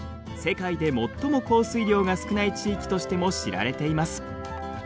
世界で最も降水量が少ない地域としても知られています。